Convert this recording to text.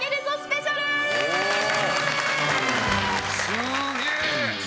「すげえ！」